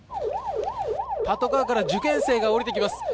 パトカーから受験生が降りてきます。